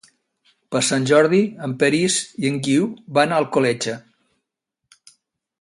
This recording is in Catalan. Per Sant Jordi en Peris i en Guiu van a Alcoletge.